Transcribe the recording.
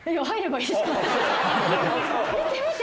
見て見て。